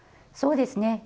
そうですね。